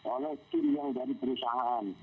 oleh tim yang dari perusahaan